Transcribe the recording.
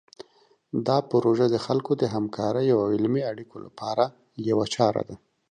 دا پروژه د خلکو د همکاریو او علمي اړیکو لپاره یوه چاره ده.